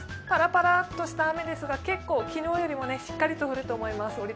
ぱらぱらっとした雨ですが結構、昨日よりもしっかり降ると思います。